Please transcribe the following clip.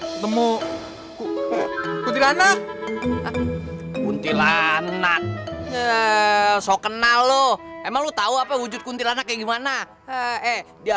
kemudian anak anak so kenal lo emang lu tahu apa wujud kuntilanak gimana eh dia